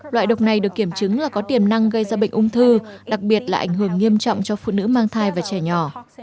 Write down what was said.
loại độc này được kiểm chứng là có tiềm năng gây ra bệnh ung thư đặc biệt là ảnh hưởng nghiêm trọng cho phụ nữ mang thai và trẻ nhỏ